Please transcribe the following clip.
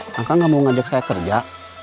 maka kamu tidak mau mengajak saya kerja